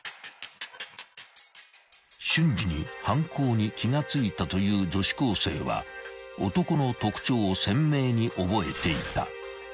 ［瞬時に犯行に気が付いたという女子高生は男の特徴を鮮明に覚えていた］